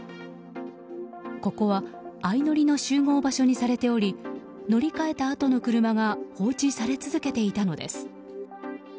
ここは相乗りの集合場所にされており乗り換えたあとの車が放置され続けていたのです。